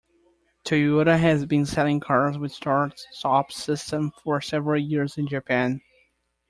Toyota has been selling cars with start-stop system for several years in Japan.